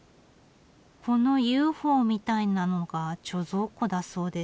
このＵＦＯみたいなのが貯蔵庫だそうです。